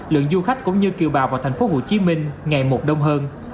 lượng du khách cũng như kiều bào vào thành phố hồ chí minh ngày một đông hơn